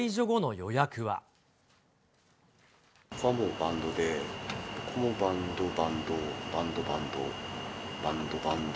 ここはもうバンドで、ここもバンド、バンド、バンド、バンド、バンド、バンド。